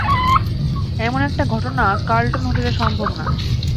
এমন একটা ঘটনা কার্লটন হোটেলে সম্ভব না।